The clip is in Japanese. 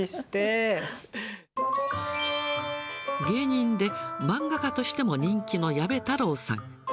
芸人で、漫画家としても人気の矢部太郎さん。